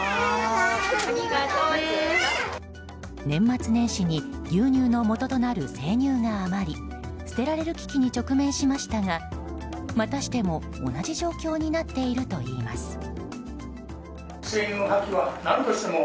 年末年始に牛乳のもととなる生乳が余り捨てられる危機に直面しましたがまたしても同じ状況になっているといいます。